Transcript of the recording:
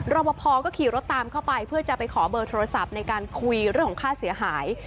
บพอก็ขี่รถตามเข้าไปเพื่อจะไปขอเบอร์โทรศัพท์ในการคุยเรื่องของค่าเสียหาย